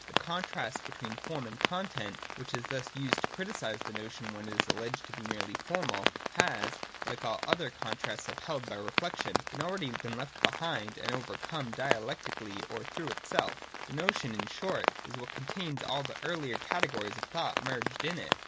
The contrast between form and content, which is thus used to criticise the notion when it is alleged to be merely formal, has, like all the other contrasts upheld by reflection, been already left behind and overcome dialectically or through itself The notion, in short, is what contains all the earlier categories of thought merged in it.